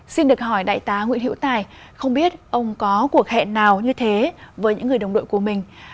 xin được hỏi đại tá nguyễn hiễu tài không biết ông có cuộc hẹn nào như thế với những người đồng đội của mình